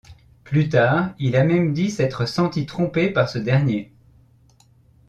Plus tard, il a même dit s'être senti trompé par ce dernier.